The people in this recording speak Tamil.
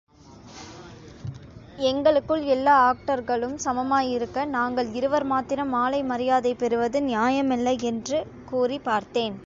எங்களுக்குள் எல்லா ஆக்டர்களும் சமமாயிருக்க, நாங்கள் இருவர் மாத்திரம் மாலை மரியாதை பெறுவது நியாயமல்ல வென்று கூறிப் பார்த்தேன்.